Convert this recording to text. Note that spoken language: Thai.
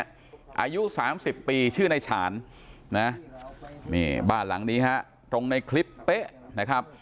อายุ๓๐ปีชื่อในฉารบ้านหลังนี้ฮะตรงในคลิปนะครับ